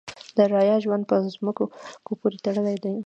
د رعایا ژوند په ځمکو پورې تړلی و.